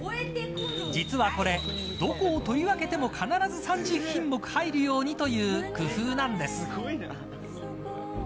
実はこれ、どこを取り分けても必ず３０品目入るようにという工夫なんです。